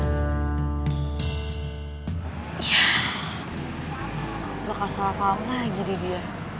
wah lo kasar apaan lagi nih dia